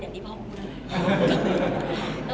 อย่างพ่อบอกได้